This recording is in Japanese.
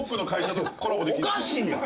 おかしいやん！